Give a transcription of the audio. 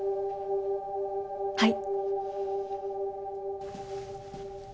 はい。